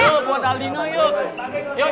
yuk buat el dino yuk